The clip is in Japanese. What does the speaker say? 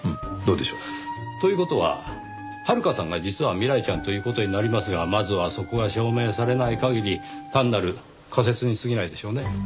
どうでしょう？という事は遥香さんが実は未来ちゃんという事になりますがまずはそこが証明されない限り単なる仮説にすぎないでしょうね。